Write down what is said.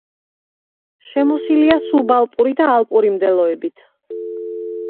შემოსილია სუბალპური და ალპური მდელოებით.